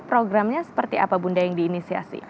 programnya seperti apa bunda yang diinisiasi